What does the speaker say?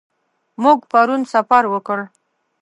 موږ پرون سفر وکړ.